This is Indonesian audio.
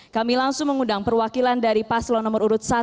kami langsung mengundang perwakilan dari paslon nomor urut satu